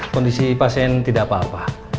kondisi pasien tidak apa apa